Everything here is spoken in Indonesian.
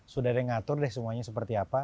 sudah ada yang ngatur deh semuanya seperti apa